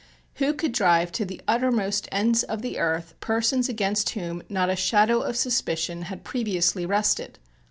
Who could drive to the uttermost ends of the earth persons against whom not a shadow of suspicion had previously rested?